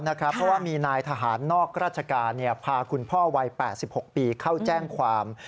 เพราะว่ามีนายทหารนอกราชการพาคุณพ่อวัย๘๖ปีเข้าแจ้งความ